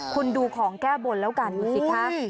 คุณดูของแก้บนแล้วกันดูสิคะ